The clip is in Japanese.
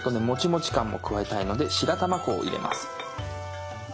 もちもち感も加えたいので白玉粉を入れます。